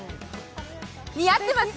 似合ってます？